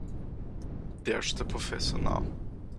There's the professor now.